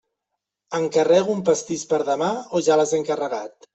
Encarrego un pastís per demà o ja l'has encarregat?